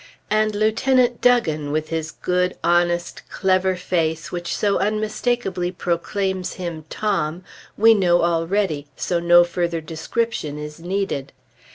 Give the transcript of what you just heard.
And Lieutenant Duggan, with his good, honest, clever face which so unmistakably proclaims him "Tom," we know already, so no further description is needed.